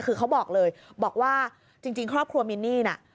คือเขาบอกเลยบอกว่าจริงครอบครัวมินนี่น่ะ